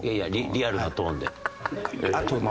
リアルなトーンで。